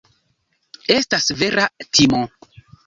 Estas vera timo.